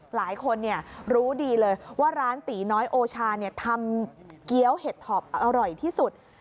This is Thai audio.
หลายคนรู้ดีเลยว่าร้านตีน้อยโอชาทำเกี้ยวเห็ดถอบอร่อยที่สุด